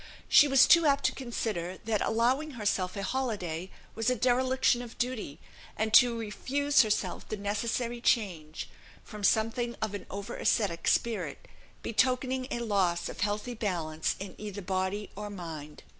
She was too apt to consider, that allowing herself a holiday was a dereliction of duty, and to refuse herself the necessary change, from something of an over ascetic spirit, betokening a loss of healthy balance in either body or mind.